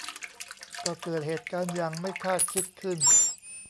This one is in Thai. ก็เกิดเหตุการณ์อย่างไม่คาดคิดขึ้น